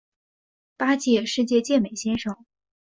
八届世界健美先生。